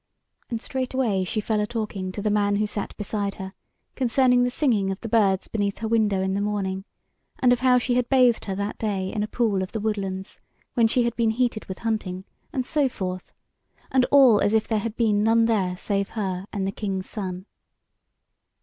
And straightway she fell a talking to the man who sat beside her concerning the singing of the birds beneath her window in the morning; and of how she had bathed her that day in a pool of the woodlands, when she had been heated with hunting, and so forth; and all as if there had been none there save her and the King's Son.